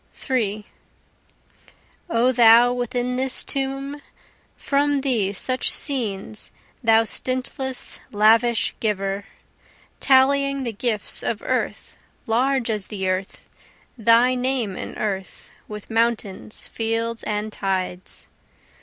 3 O thou within this tomb, From thee such scenes, thou stintless, lavish giver, Tallying the gifts of earth, large as the earth, Thy name an earth, with mountains, fields and tides.